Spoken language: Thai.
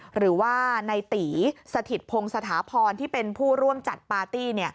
หรือว่าในตีสถิตพงศ์สถาพรที่เป็นผู้ร่วมจัดปาร์ตี้